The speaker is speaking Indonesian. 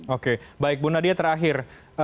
oke baik bu nadia terakhir